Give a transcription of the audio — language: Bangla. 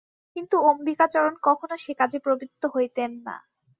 কিন্তু অম্বিকাচরণ কখনো সে কাজে প্রবৃত্ত হইতেন না।